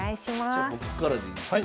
じゃ僕からでいいんですか？